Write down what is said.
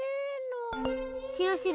しろしろ。